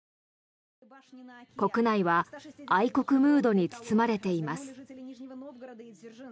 国内は愛国ムードに包まれています。